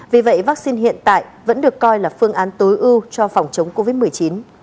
vì vậy vaccine hiện tại vẫn được coi là phương án tối ưu cho phòng chống covid một mươi chín